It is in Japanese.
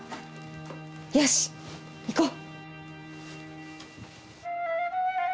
よし行こう！